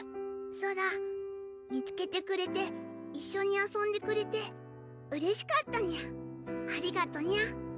ソラ見つけてくれて一緒に遊んでくれてうれしかったニャありがとニャ